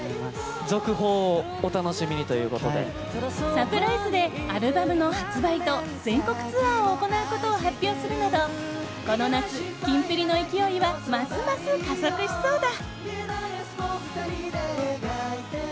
サプライズでアルバムの発売と全国ツアーを行うことを発表するなどこの夏、キンプリの勢いはますます加速しそうだ。